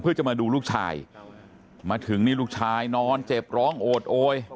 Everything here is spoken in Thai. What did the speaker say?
เพื่อจะมาดูลูกชายมาถึงนี่ลูกชายนอนเจ็บร้องโอดโอย